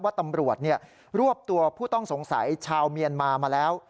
ตำรวจรวบตัวผู้ต้องสงสัยชาวเมียนมามาแล้ว